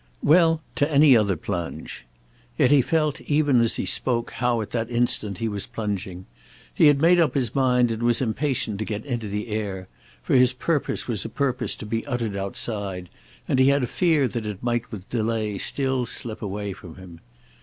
"Well, to any other plunge." Yet he felt even as he spoke how at that instant he was plunging. He had made up his mind and was impatient to get into the air; for his purpose was a purpose to be uttered outside, and he had a fear that it might with delay still slip away from him.